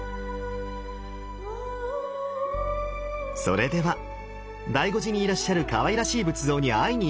それでは醍醐寺にいらっしゃるかわいらしい仏像に会いに行きましょう。